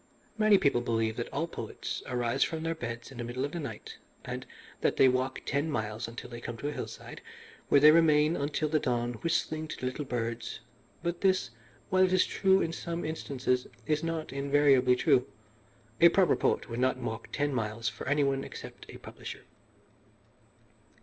"Many people believe that all poets arise from their beds in the middle of the night, and that they walk ten miles until they come to a hillside, where they remain until the dawn whistling to the little birds; but this, while it is true in some instances, is not invariably true. A proper poet would not walk ten miles for any one except a publisher.